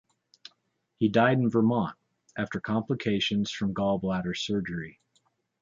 He died in Vermont after complications from gall bladder surgery.